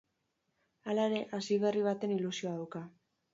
Hala ere, hasiberri baten ilusioa dauka.